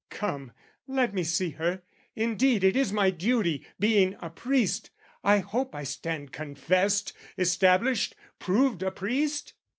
Come, let me see her indeed It is my duty, being a priest: I hope I stand confessed, established, proved a priest?